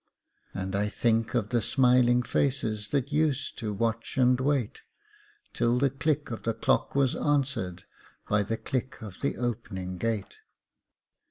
And I think of the smiling faces That used to watch and wait, Till the click of the clock was answered By the click of the opening gate.